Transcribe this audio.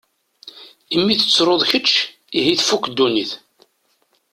Imi tettruḍ kečč, ihi tfuk ddunit.